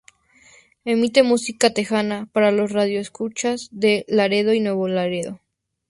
Emite música tejana para los radioescuchas de Laredo y Nuevo Laredo.